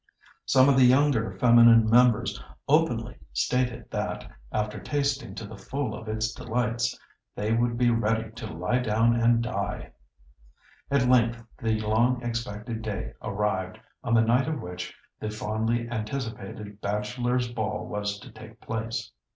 Some of the younger feminine members openly stated that, after tasting to the full of its delights, they would be ready to lie down and die. At length the long expected day arrived, on the night of which the fondly anticipated Bachelors' Ball was to take place.